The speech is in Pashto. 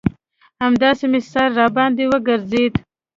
همداسې مې سر راباندې وگرځېد.